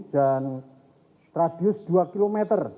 dan radius dua km